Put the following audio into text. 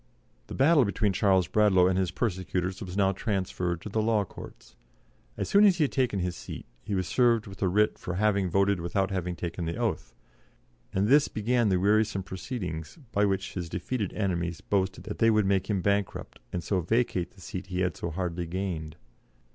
The battle between Charles Bradlaugh and his persecutors was now transferred to the law courts. As soon as he had taken his seat he was served with a writ for having voted without having taken the oath, and this began the wearisome proceedings by which his defeated enemies boasted that they would make him bankrupt, and so vacate the seat he had so hardly gained.